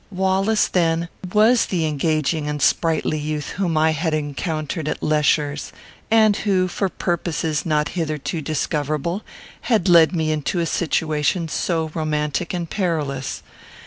Wallace, then, was the engaging and sprightly youth whom I had encountered at Lesher's; and who, for purposes not hitherto discoverable, had led me into a situation so romantic and perilous.